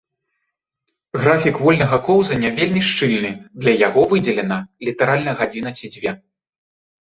Графік вольнага коўзання вельмі шчыльны, для яго выдзелена літаральна гадзіна ці дзве.